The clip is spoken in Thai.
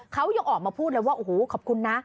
เขายังออกมาพูดเลยว่าโอ้โหขอบคุณนะ